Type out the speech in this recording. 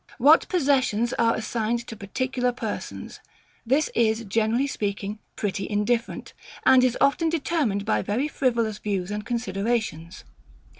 What possessions are assigned to particular persons; this is, generally speaking, pretty indifferent; and is often determined by very frivolous views and considerations.